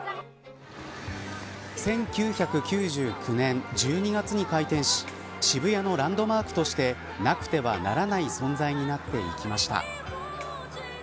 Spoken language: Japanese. １９９９年１２月に開店し渋谷のランドマークとしてなくてはならない存在になっていきました。